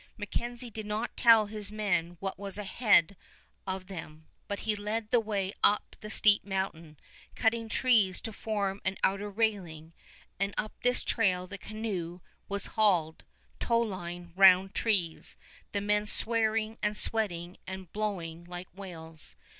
MacKenzie did not tell his men what was ahead of them, but he led the way up the steep mountain, cutting trees to form an outer railing, and up this trail the canoe was hauled, towline round trees, the men swearing and sweating and blowing like whales.